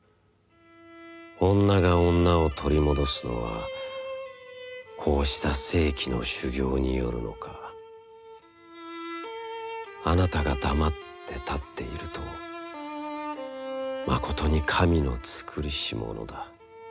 をんながをんなを取りもどすのはかうした世紀の修業によるのか。あなたが黙つて立つてゐるとまことに神の造りしものだ。